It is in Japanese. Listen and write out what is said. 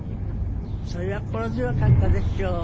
それは心強かったでしょう。